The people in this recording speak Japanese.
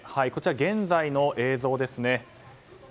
現在の映像ですね。